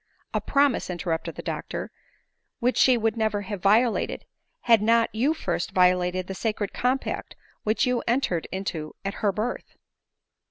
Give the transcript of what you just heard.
" A promise," interrupted the doctor, " which she would never have violated, had not you first violated that sacred compact which you entered into at her birth."